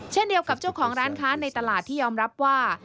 เช่นเดียวกับเจ้าของร้านค้าในตลาดที่ยอมรับว่า